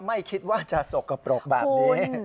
ไม่คิดว่าจะสกปรกแบบนี้